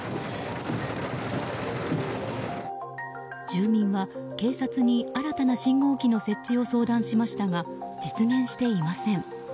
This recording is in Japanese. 住民は警察に新たな信号機の設置を相談しましたが実現していません。